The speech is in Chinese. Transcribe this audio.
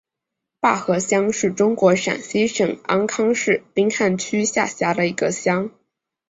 坝河乡是中国陕西省安康市汉滨区下辖的一个乡。